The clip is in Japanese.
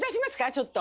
ちょっと。